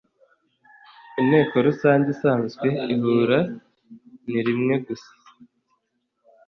inteko rusange isanzwe ihuranrimwe gusa